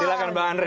silahkan mbak andri